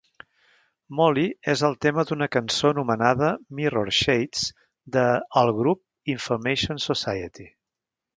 Molly és el tema d'una cançó anomenada "Mirrorshades" de el grup Information Society.